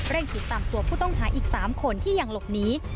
ติดตามตัวผู้ต้องหาอีก๓คนที่ยังหลบหนี